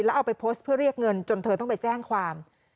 แล้วเอาไปโพสต์เพื่อเรียกเงินจนเธอต้องไปแจ้งความ